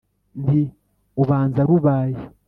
nti: “ubanza rubaye”